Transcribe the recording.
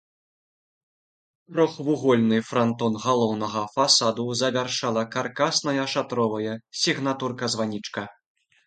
Трохвугольны франтон галоўнага фасада завяршала каркасная шатровая сігнатурка-званічка.